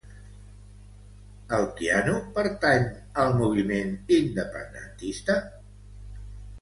El Keanu pertany al moviment independentista?